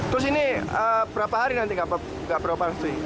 terus ini berapa hari nanti nggak berapa hari